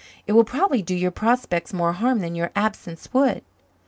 It will probably do your prospects more harm than your absence would."